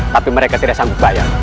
tapi mereka tidak sanggup bayar